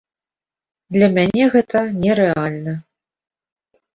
Для мяне гэта нерэальна.